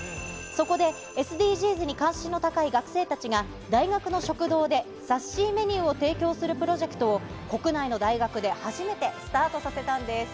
そこで、ＳＤＧｓに関心の高い学生たちが、大学の食堂でサスシーメニューを提供するプロジェクトを、国内の大学で初めてスタートさせたんです。